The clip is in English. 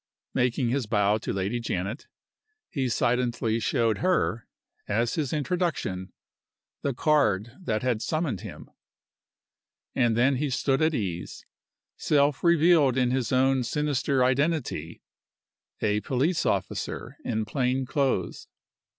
Making his bow to Lady Janet, he silently showed her, as his introduction, the card that had summoned him. And then he stood at ease, self revealed in his own sinister identity a police officer in plain clothes.